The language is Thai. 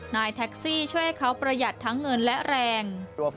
นายแท็กซี่ช่วยให้เขาประหยัดทั้งเงินและแรง